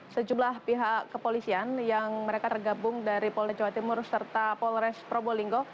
sejumlah pihak kepolisian yang mereka tergabung dari polda jawa timur serta polres probolinggo